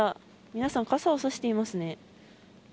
皆さん、傘をさしていますね。